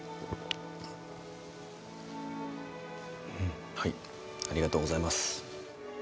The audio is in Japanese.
うんはいありがとうございます